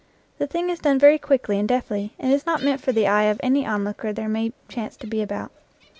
The thing is done very quickly and deftly, and is not meant for the eye of any onlooker there may chance to be about.